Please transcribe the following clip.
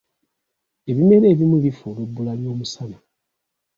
Ebimera ebimu bifa olw'ebbula ly'omusana.